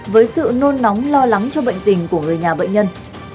với sự nôn nóng lo lắng cho bệnh tình của người nhà bệnh nhân